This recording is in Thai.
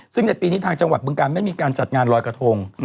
ซึ่งในปีนี้ทางจังหวัดบึงการไม่มีการจัดงานลอยกระทง